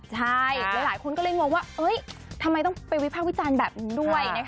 ใช่หลายคนก็เลยงงว่าทำไมต้องไปวิภาควิจารณ์แบบนั้นด้วย